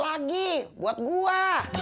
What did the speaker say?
lagi buat gue